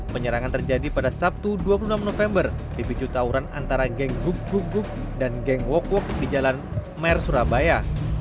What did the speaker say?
penyerangan terjadi pada sabtu dua puluh enam november di picu tawuran antara geng gug gug gug dan geng wok wok di jalan mer surabaya